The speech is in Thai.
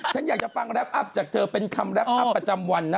ฉันอยากจะฟังแรปอัพจากเธอเป็นคำแรปอัพประจำวันนะ